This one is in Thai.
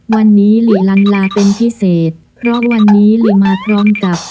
วันนี้หลีลันลาเป็นพิเศษเพราะวันนี้หลีมาพร้อมกับ